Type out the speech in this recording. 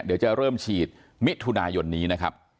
เดี๋ยวจะเริ่มฉีดมิถุนายนนี้นะครับ